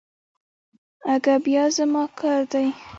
اگه بيا زما کار دی.